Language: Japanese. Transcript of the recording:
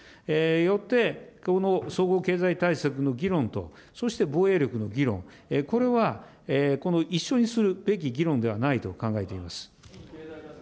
よってこの総合経済対策の議論とそして防衛力の議論、これは一緒にするべき議論ではないと考えております。